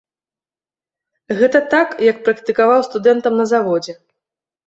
Гэта так, як практыкаваў студэнтам на заводзе.